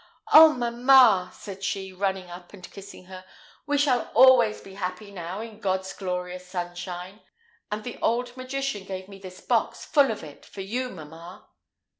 "Oh! mamma," said she, running up and kissing her, "we shall always be happy now, in God's glorious sunshine, and the old magician gave me this box, full of it, for you, mamma."